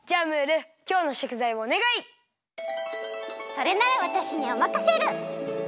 それならわたしにおまかシェル！